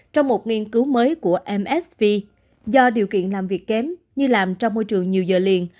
trong một nghiên cứu mới của msv do điều kiện làm việc kém như làm trong môi trường nhiều giờ liền